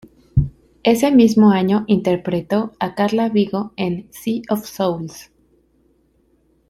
Ese mismo año interpretó a Carla Vigo en "Sea of Souls".